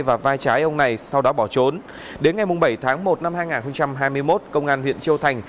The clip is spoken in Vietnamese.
và vai trái ông này sau đó bỏ trốn đến ngày bảy tháng một năm hai nghìn hai mươi một công an huyện châu thành